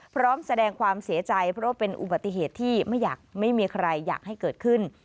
พร้อมแสดงความเสียใจเพราะว่าเป็นอุบัติเหตุที่ไม่มีใครอยากให้เกิดขึ้น